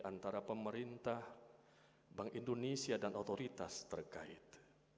antara pemerintah bank indonesia dan otoritas terkait